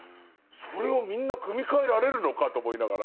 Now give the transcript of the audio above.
それをみんな組み替えられるのかと思いながら。